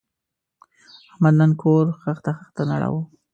احمد نن کور خښته خښته نړاوه.